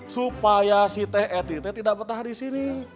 supaya si teh eh tih teh tidak petah di sini